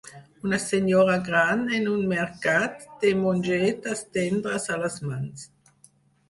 Una senyora gran en un mercat té mongetes tendres a les mans.